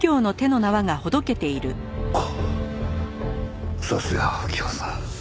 あっさすがは右京さん。